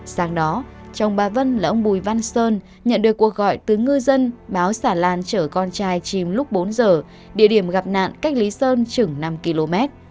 sáng đó chồng bà vân là ông bùi văn sơn nhận được cuộc gọi từ ngư dân báo xà lan chở con trai chìm lúc bốn giờ địa điểm gặp nạn cách lý sơn chừng năm km